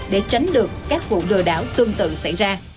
để tránh được các vụ lừa đảo tương tự xảy ra